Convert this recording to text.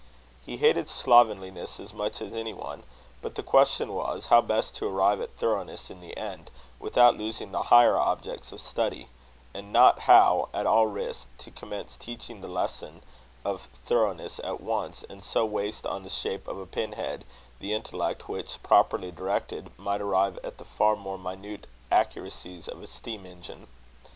He hated slovenliness as much as any one; but the question was, how best to arrive at thoroughness in the end, without losing the higher objects of study; and not how, at all risks, to commence teaching the lesson of thoroughness at once, and so waste on the shape of a pin head the intellect which, properly directed, might arrive at the far more minute accuracies of a steam engine.